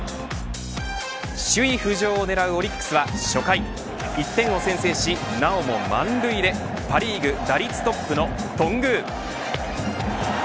首位浮上を狙うオリックスは初回１点を先制し、なおも満塁でパ・リーグ打率トップの頓宮。